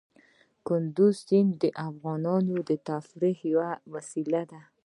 کندز سیند د افغانانو د تفریح یوه وسیله ده.